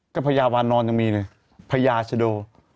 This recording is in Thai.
ก็พญาวานอนยังมีเลยพญาชโด